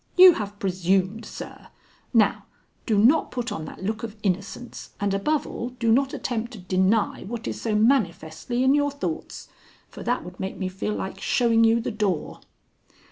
You have presumed, sir Now do not put on that look of innocence, and above all do not attempt to deny what is so manifestly in your thoughts, for that would make me feel like showing you the door."